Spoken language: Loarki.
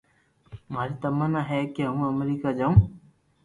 ماري تمنا ھي ڪي ھون امرڪا جاو